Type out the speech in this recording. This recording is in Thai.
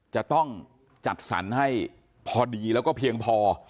จะต้องจัดสรรให้พอดีแล้วก็เพียงพอ